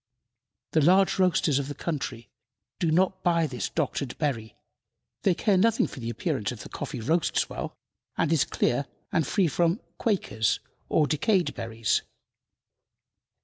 The large roasters of the country do not buy this doctored berry; they care nothing for the appearance if the coffee roasts well, and is clear and free from "quakers" or decayed berries.